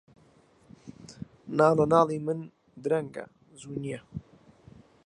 ناڵەناڵی من درەنگە، زوو نییە